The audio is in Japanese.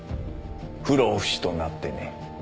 不老不死となってね。